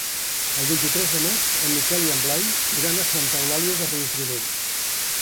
El vint-i-tres de maig en Miquel i en Blai iran a Santa Eulàlia de Riuprimer.